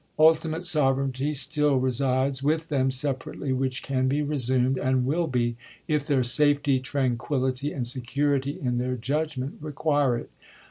Ultimate sovereignty still resides with them separately, which can be resumed, and will be, if their safety, tranquillity, and security in their judgment require it.